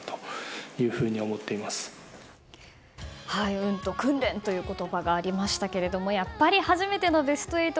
運と訓練という言葉がありましたがやっぱり初めてのベスト８